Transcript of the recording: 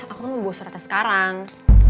aku mau bawa suratnya sekarang